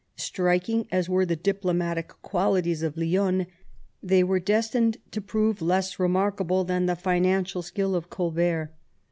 Striking as were the diplomatic qualities of Lionne, they were destined to prove less remarkable than the financial skill of Colbert.